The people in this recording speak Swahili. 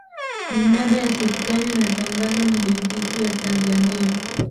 minada ya serikali inatangazwa na benki kuu ya tanzania